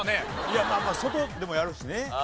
いやまあまあ外でもやるしね。